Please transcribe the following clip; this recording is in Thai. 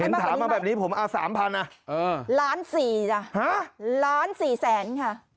เห็นถามมาแบบนี้ผมเอาสามพันล้านสี่ล้านสี่แสนค่ะ